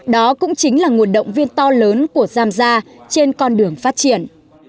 đó cũng chính là nguồn động viên to lớn của giamgia trên con đường phát triển